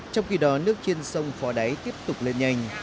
trong khi đó nước trên sông phò đáy tiếp tục lên nhanh